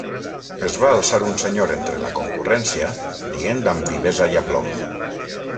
Es va alçar un senyor entre la concurrència, dient amb vivesa i aplom: